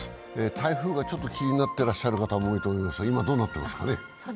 台風が気になってらっしゃる方もいると思いますが今どうなってますかね。